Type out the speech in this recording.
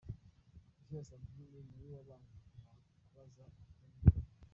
Isheja Sandrine ni we wabanje kubaza Mutoni Tania.